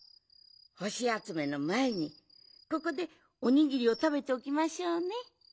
ほしあつめのまえにここでおにぎりをたべておきましょうね。